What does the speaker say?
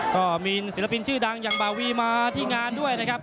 ก็มีศิลปินชื่อดังอย่างบาวีมาที่งานด้วยนะครับ